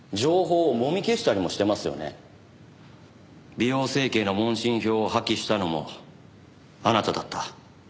美容整形の問診票を破棄したのもあなただった。